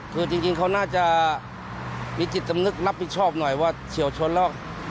คือจริงเขาน่าจะมีจิตสำนึกรับผิดชอบหน่อยว่าเฉียวชนแล้ว